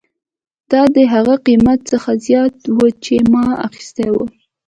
دا د هغه قیمت څخه زیات و چې ما اخیستی و